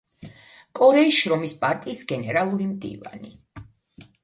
კორეის შრომის პარტიის გენერალური მდივანი.